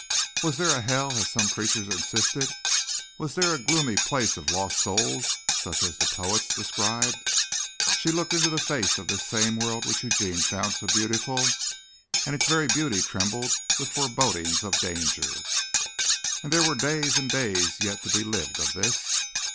Was there a hell as some preachers insisted? Was there a gloomy place of lost souls such as the poets described? She looked into the face of this same world which Eugene found so beautiful and its very beauty trembled with forebodings of danger. And there were days and days yet to be lived of this.